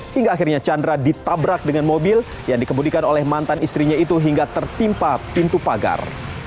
hingga akhirnya chandra ditabrak dengan mobil yang dikemudikan oleh mantan istrinya itu hingga tertimpa pintu pagar